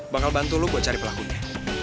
bakal bantu lu buat cari pelakunya